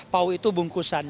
angkau itu bungkusan